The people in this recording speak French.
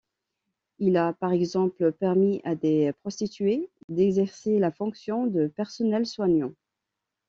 Il a, par exemple, permis à des prostituées d'exercer la fonction de personnel soignant.